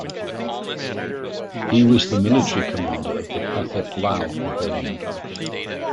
He was the military commander of the Pathet Lao rebellion.